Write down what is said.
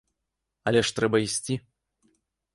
Але ж трэба ісці.